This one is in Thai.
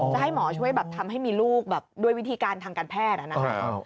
จะให้หมอช่วยทำให้มีลูกด้วยวิธีการทางการแพทย์